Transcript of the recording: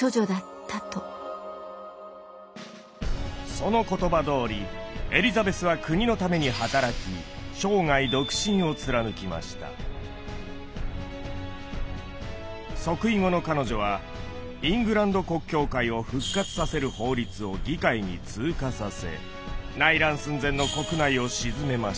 その言葉どおりエリザベスは即位後の彼女はイングランド国教会を復活させる法律を議会に通過させ内乱寸前の国内を鎮めました。